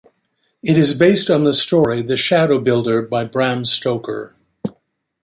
It is based on the story "The Shadow Builder" by Bram Stoker.